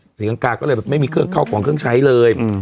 ศรีลังกาก็เลยแบบไม่มีเครื่องเข้าของเครื่องใช้เลย